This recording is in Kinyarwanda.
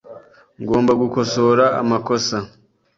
Ngomba gukosora amakosa .